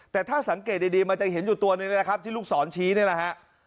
แต่ถ้าสังเกตดีมันจะเห็นอยู่ตัวหนึ่งนะครับที่ลูกศรชี้นี่แหละฮะ